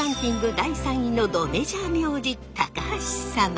第３位のどメジャー名字高橋様。